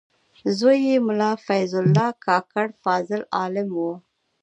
زوی یې ملا فیض الله کاکړ فاضل عالم و.